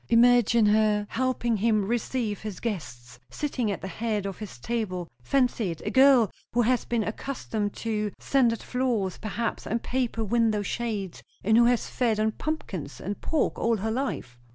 Imagine her helping him receive his guests; sitting at the head of his table. Fancy it; a girl who has been accustomed to sanded floors, perhaps, and paper window shades, and who has fed on pumpkins and pork all her life."